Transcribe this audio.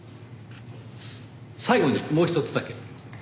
最後にもうひとつだけ。